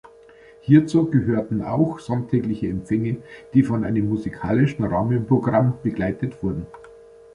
Hierzu gehörten auch sonntägliche Empfänge, die von einem musikalischen Rahmenprogramm begleitet wurden.